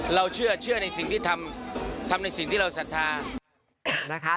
เราเชื่อในสิ่งที่ทำทำในสิ่งที่เราสัทธา